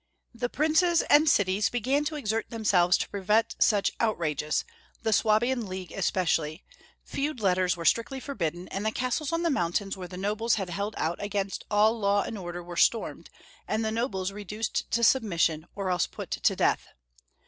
The princes and cities began to exert themselves to prevent such outrages, the Swabian League es pecially, feud letters were strictly forbidden, and the castles on the mountains where the nobles had held out against all law and order were stormed, and the nobles reduced to submission, or else put to death.